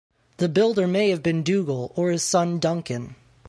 The builder may have been Dougall, or his son Duncan.